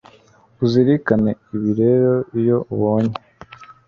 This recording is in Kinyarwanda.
uzirikane ibi rero iyo ubonye